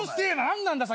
何なんだ